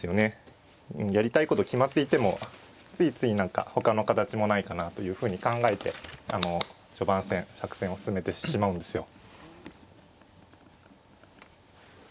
やりたいこと決まっていてもついつい何かほかの形もないかなというふうに考えて序盤戦作戦を進めてしまうんですよ。